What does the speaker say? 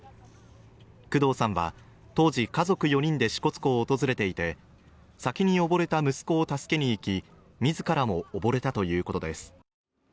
工藤さんは当時、家族４人で支笏湖を訪れていて先に溺れた息子を助けに行き自らも溺れたということです。